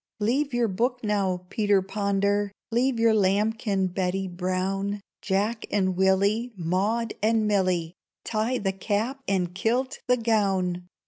Leave your book now, Peter Ponder; Leave your lambkin, Betty Brown! Jack and Willy, Maud and Milly, Tie the cap and kilt the gown!